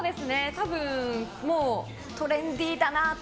多分、トレンディーだなと。